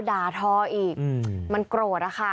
ด่าทออีกมันโกรธอะค่ะ